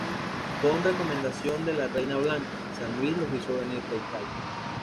Por recomendación de la reina Blanca, San Luis los hizo venir de Italia.